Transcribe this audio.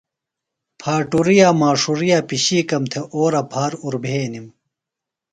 پھاٹُریہ، ماڇُھرِیہ پِشِیکم تھےۡ اورہ پھار اُربھینِم۔